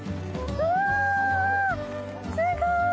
うわ、すごい。